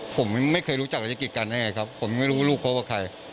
ผมไม่เคยรู้จักศพรัชกิจกันนะครับผมไม่รู้ลูกเขากับใคร